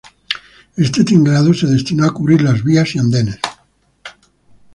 Este tinglado se destinó a cubrir las vías y andenes.